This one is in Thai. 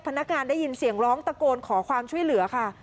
พนักงานได้ยินเสียงร้องตะโกนขอความช่วยเหลือค่ะ